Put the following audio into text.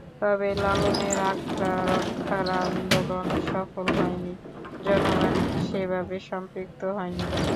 তবে লালনের আখড়া রক্ষার আন্দোলন সফল হয়নি, জনগণ সেভাবে সম্পৃক্ত হয়নি বলে।